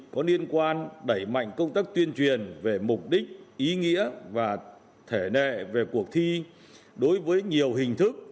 có liên quan đẩy mạnh công tác tuyên truyền về mục đích ý nghĩa và thể nệ về cuộc thi đối với nhiều hình thức